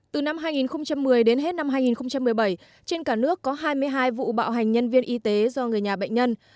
từ năm hai nghìn một mươi đến hết năm hai nghìn một mươi bảy trên cả nước có hai mươi hai vụ bạo hành nhân viên y tế do người nhà bệnh nhân